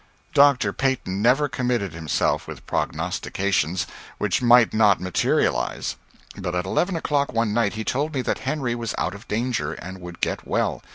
Dr. Peyton never committed himself with prognostications which might not materialize, but at eleven o'clock one night he told me that Henry was out of danger, and would get well.